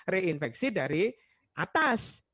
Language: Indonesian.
reinfeksi dari atas